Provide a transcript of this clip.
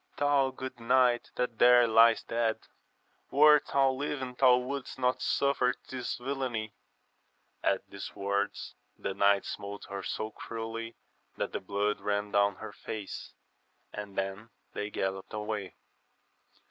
thou good knight that tl^re liest dead, wert thou Uving thou wouldst not suffer this villainy 1 At these words the knight smote her so cruelly that the blood ran down her face, and then they gallopped away.